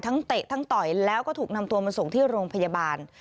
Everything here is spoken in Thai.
เตะทั้งต่อยแล้วก็ถูกนำตัวมาส่งที่โรงพยาบาล